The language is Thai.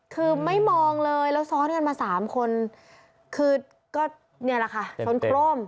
คือไม่มองเลยแล้วซ้อนกันมาสามคนคือก็เนี่ยแหละค่ะชนโครม